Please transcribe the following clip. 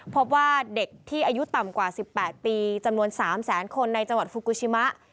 พบว่าเด็กที่อายุต่ำกว่า๑๘ปีจำนวน๓แสนคนในจังหวัดฟูกูชิมะ